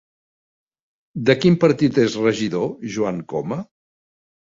De quin partit és regidor Joan Coma?